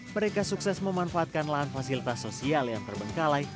mereka sukses memanfaatkan lahan fasilitas sosial yang terbengkalai